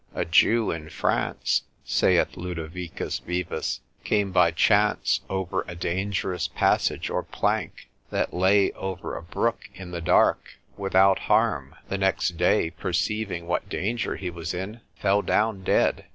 A Jew in France (saith Lodovicus Vives), came by chance over a dangerous passage or plank, that lay over a brook in the dark, without harm, the next day perceiving what danger he was in, fell down dead.